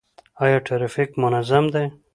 آیا ټرافیک منظم دی؟